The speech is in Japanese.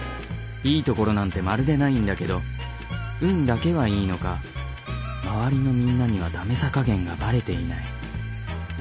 いいところなんてまるでないんだけど運だけはいいのか周りのみんなにはダメさ加減がバレていない。